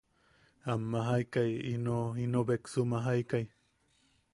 Am majaikai, ino, ino beksu majaikai.